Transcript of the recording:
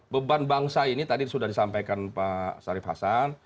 beban bangsa ini tadi sudah disampaikan pak sarif hasan